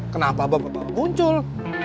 kenapa bapak bapak muncul